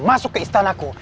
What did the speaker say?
semasuk ke istanaku